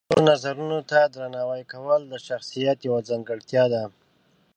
د نورو نظرونو ته درناوی کول د شخصیت یوه ځانګړتیا ده.